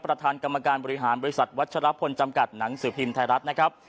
ประธานกรรมการบริหารบริษัทวัชรพลจำกัดหนังสือพิมพ์ไทยรัฐนะครับ